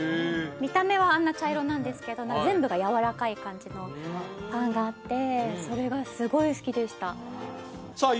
見た目はあんな茶色なんですけど全部がやわらかい感じのパンがあってそれがすごい好きでしたさあ